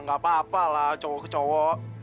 nggak apa apa lah cowok ke cowok